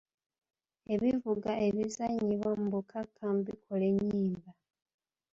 Ebivuga ebizannyibwa mu bukakkamu bikola enyimba.